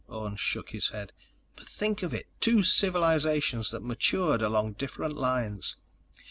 Orne shook his head. "But think of it: Two civilizations that matured along different lines!